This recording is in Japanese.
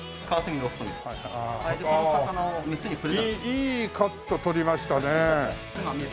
いいカット撮りましたね。